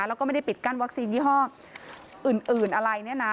แล้วก็ไม่ได้ปิดกั้นวัคซีนยี่ห้ออื่นอะไรเนี่ยนะ